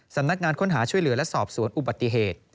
สำนักงานค้นหาช่วยเหลือและสอบสวนอุบัติเหตุ